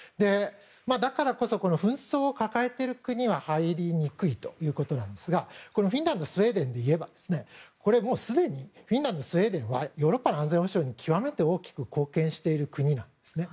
だからこそ紛争を抱えている国は入りにくいということですがフィンランドスウェーデンでいえばこれはすでにヨーロッパの安全保障に極めて大きく貢献している国なんですね。